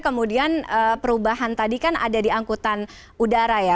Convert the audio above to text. kemudian perubahan tadi kan ada di angkutan udara ya